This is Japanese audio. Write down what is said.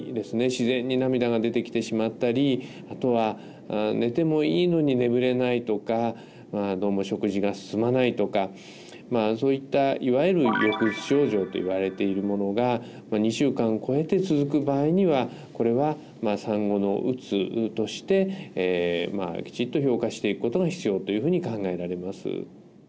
自然に涙が出てきてしまったりあとは寝てもいいのに眠れないとかどうも食事が進まないとかそういったいわゆる抑うつ症状といわれているものが２週間こえて続く場合にはこれは産後のうつとしてきちっと評価していくことが必要というふうに考えられます。